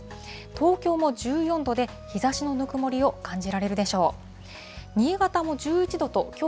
東京も１４度で、日ざしのぬくもりを感じられるでしょう。